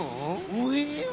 おや？